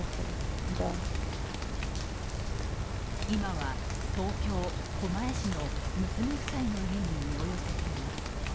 今は東京・狛江市の娘夫妻の家に身を寄せています。